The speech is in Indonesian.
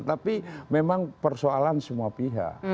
tapi memang persoalan semua pihak